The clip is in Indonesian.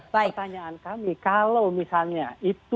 pertanyaan kami kalau misalnya itu